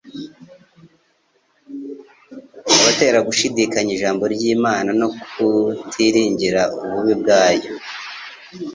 Abatera gushidikanya Ijambo ry'Imana, no kutiringira ububi bwayo.